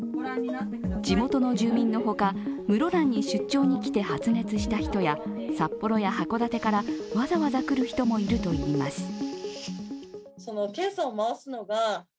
地元の住民の他、室蘭に出張に来て発熱した人や札幌や函館からわざわざ来る人もいるといいます。